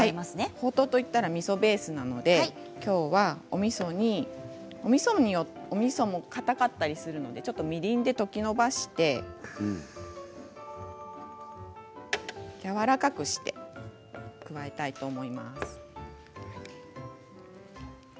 ほうとうと言ったらみそベースなのできょうはみそ煮みそも、かたかったりするのでみりんで溶きのばしてやわらかくして加えたいと思います。